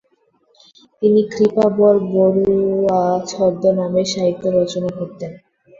তিনি কৃপাবর বরুয়া ছদ্মনামে সাহিত্য রচনা করতেন।